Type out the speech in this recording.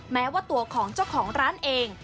แม้ว่าตัวของเจ้าของร้านเอง